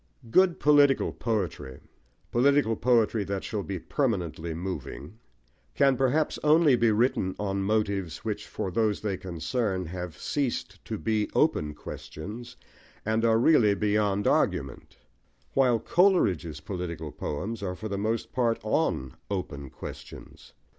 Good political poetry political poetry that shall be permanently moving can, perhaps, only be written on motives which, for those they concern, have ceased to be open questions, and are really beyond argument; while Coleridge's political poems are for the most part on open questions.